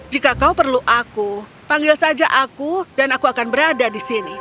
jika kau perlu aku panggil saja aku dan aku akan berada di sini